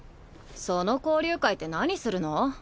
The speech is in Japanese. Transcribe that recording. その交流会って何するの？